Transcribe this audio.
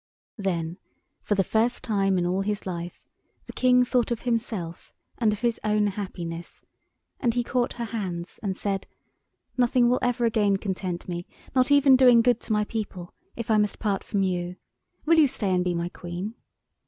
Then for the first time in all his life the King thought of himself and of his own happiness, and he caught her hands and said— "Nothing will ever again content me, not even doing good to my people, if I must part from you. Will you stay and be my Queen?"